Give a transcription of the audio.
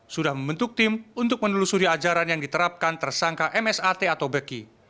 sudah membentuk tim untuk menelusuri ajaran yang diterapkan tersangka msat atau beki